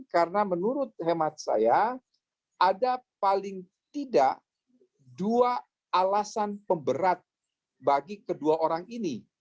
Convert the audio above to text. karena menurut hemat saya ada paling tidak dua alasan pemberat bagi kedua orang ini